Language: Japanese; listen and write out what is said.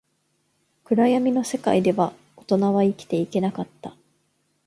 暗闇の世界では、大人は生きていけなかった